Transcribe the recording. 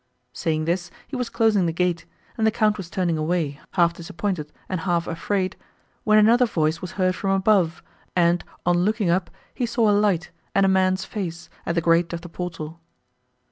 Saying this, he was closing the gate, and the Count was turning away, half disappointed and half afraid, when another voice was heard from above, and, on looking up, he saw a light, and a man's face, at the grate of the portal.